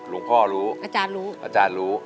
ลุงพ่อรู้อาจารย์รู้